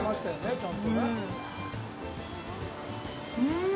うん！